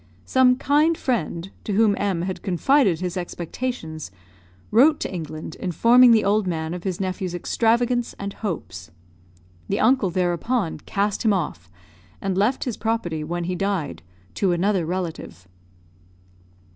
Some kind friend, to whom M had confided his expectations, wrote to England, informing the old man of his nephew's extravagance and hopes. The uncle there upon cast him off, and left his property, when he died, to another relative.